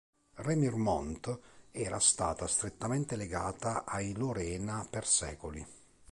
Remiremont era stata strettamente legata ai Lorena per secoli.